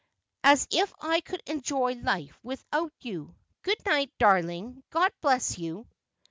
' As if I could enjoj' life without you. Good night, darling. God bless you